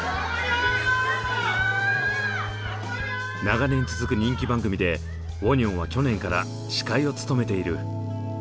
長年続く人気番組でウォニョンは去年から司会を務めている。